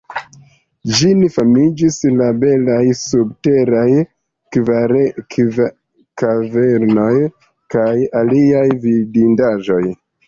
Ĝin famigis la belaj subteraj kavernoj kaj aliaj vidindaĵoj.